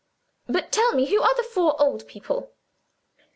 "But tell me, who are the four old people?"